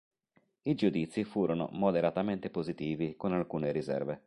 I giudizi furono moderatamente positivi, con alcune riserve.